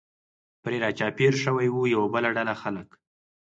پرې را چاپېر شوي و، یوه بله ډله خلک.